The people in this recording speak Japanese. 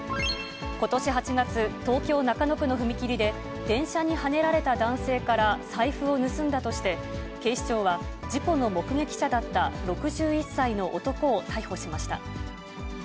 ことし８月、東京・中野区の踏切で、電車にはねられた男性から財布を盗んだとして、警視庁は、事故の目撃者だった６１歳の男を逮捕しました。